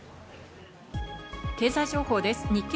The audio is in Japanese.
経済情報です。